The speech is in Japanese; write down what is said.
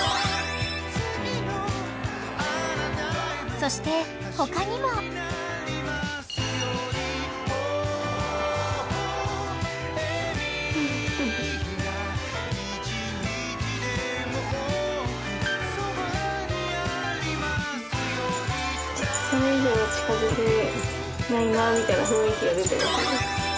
［そして他にも］それ以上は近づけないなみたいな雰囲気が出てますよね。